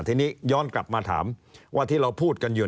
ทีนี้ย้อนกลับมาถามว่าที่เราพูดกันอยู่